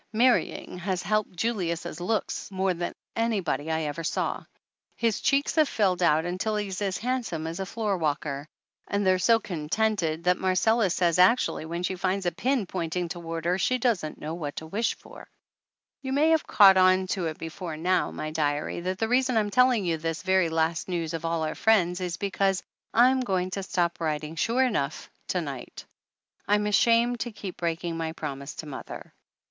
Marrying has helped Julius' looks more than anybody I ever saw. His cheeks have filled out until he's as handsome as a floor walker. And they're so contented that Marcella says actually when she finds a pin pointing toward her she doesn't know what to wish for. 275 THE ANNALS OF ANN You may have caught on to it before now, my diary, that the reason I'm telling you this very last news of all our friends is because I'm going to stop writing sure enough to night! I'm ashamed to keep breaking my promise to mother.